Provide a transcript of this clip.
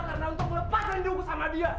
karena untuk melepaskan diriku sama dia